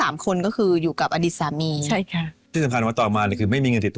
ไม่มีกัง